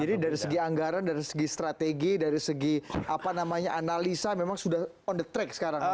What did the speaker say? jadi dari segi anggaran dari segi strategi dari segi apa namanya analisa memang sudah on the track sekarang